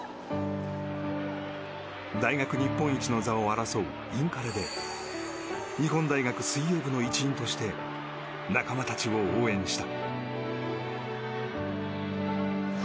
大学日本一の座を争うインカレで日本大学水泳部の一員として仲間たちを応援した。